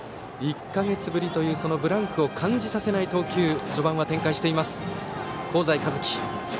１か月ぶりというブランクを感じさせない投球を序盤から展開している香西一希。